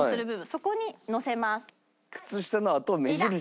そこに乗せます。